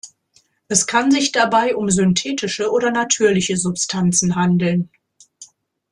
Es kann sich dabei um synthetische oder natürliche Substanzen handeln.